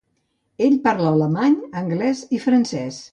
Ell parla alemany, anglès i francès.